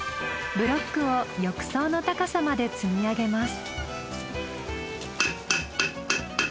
ブロックを浴槽の高さまで積み上げます。